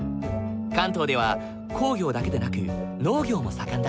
関東では工業だけでなく農業も盛んだ。